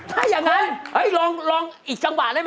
ถ้าอย่างนั้นเฮ้ยลองอีกจังหวะได้ไหม